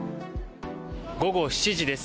午後７時です。